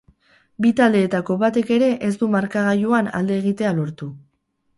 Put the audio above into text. Bi taldeetako batek ere ez du markagailuan alde egitea lortu.